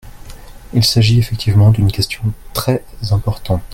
Il s’agit effectivement d’une question très importante.